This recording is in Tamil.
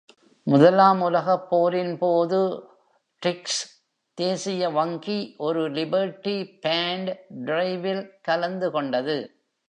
முதலாம் உலகப் போரின் போது, ரிக்ஸ் தேசிய வங்கி ஒரு லிபர்டி பான்ட் டிரைவில் கலந்து கொண்டது.